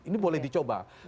ini boleh dicoba